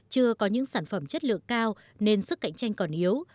chưa có những sản phẩm chất lượng cao nên sức cạnh tranh còn yếu